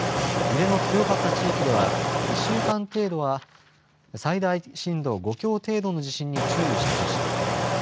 揺れの強かった地域では、１週間程度は最大震度５強程度の地震に注意してほしい。